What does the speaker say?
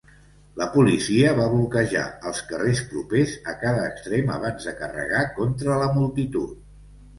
La policia va bloquejar els carrers propers a cada extrem abans de carregar contra la multitud.